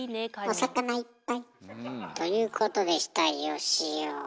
お魚いっぱい。ということでしたよしお。